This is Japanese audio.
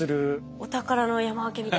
お宝の山分けみたいな感じ。